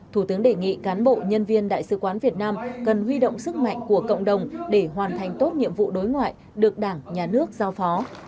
thủ tướng đề nghị cán bộ nhân viên đại sứ quán việt nam cần huy động sức mạnh của cộng đồng để hoàn thành tốt nhiệm vụ đối ngoại được đảng nhà nước giao phó